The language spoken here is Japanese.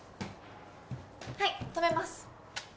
はい止めます